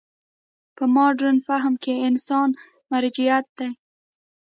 په مډرن فهم کې انسان مرجعیت دی.